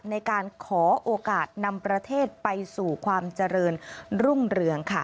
ในการขอโอกาสนำประเทศไปสู่ความเจริญรุ่งเรืองค่ะ